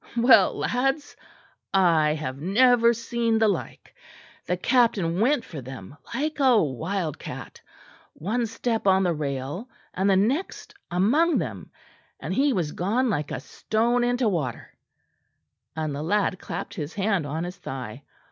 "Well, lads, I have never seen the like. The captain went for them like a wild cat; one step on the rail and the next among them; and was gone like a stone into water" and the lad clapped his hand on his thigh.